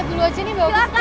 dan mencari bhw saya